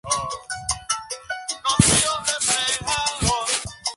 Varias demostraciones son posibles, dependiendo de las premisas iniciales.